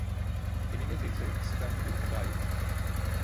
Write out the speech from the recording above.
Emine teyze sitemli bir eda ile: